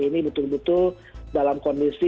ini betul betul dalam kondisi